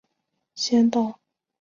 先到公车站就赶快上车